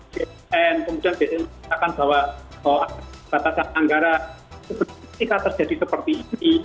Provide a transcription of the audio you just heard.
dan kemudian biasanya mengatakan bahwa batasan anggara terjadi seperti ini